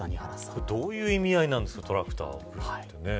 これ、どういう意味合いなんですかトラクターってね。